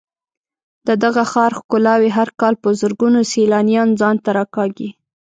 د دغه ښار ښکلاوې هر کال په زرګونو سېلانیان ځان ته راکاږي.